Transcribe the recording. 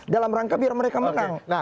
dalam rangka biar mereka menang